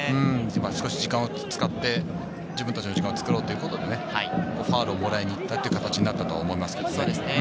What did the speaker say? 少し時間を使って、自分たちの時間を作ろうということで、ファウルをもらいに行ったという形になったと思います。